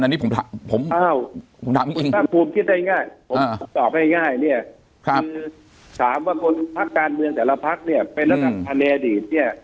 ถ้าคุณคิดได้ง่ายผมตอบให้ง่ายถามว่าคนพักการเมืองแต่ละพักเป็นนักภัณฑ์ในอดีต